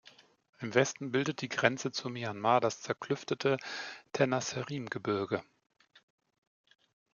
Im Westen bildet die Grenze zu Myanmar das zerklüftete Tenasserim-Gebirge.